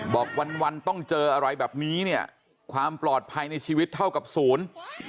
บอกวันวันต้องเจออะไรแบบนี้เนี่ยความปลอดภัยในชีวิตเท่ากับศูนย์